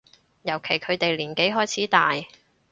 尤其佢哋年紀開始大